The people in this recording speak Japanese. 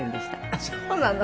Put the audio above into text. あっそうなの？